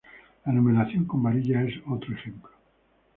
La numeración con varillas es otro ejemplo.